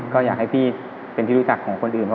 ก็อยากให้พี่เป็นที่รู้จักของคนอื่น